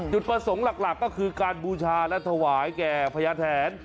จุดประสงค์หลักก็คือการบูชาและถวายแก่พญาแทน